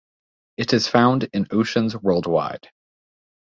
It is found in oceans worldwide.